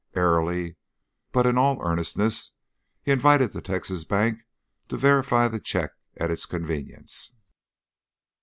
Airily, but in all earnestness, he invited the Texas bank to verify the check at its convenience.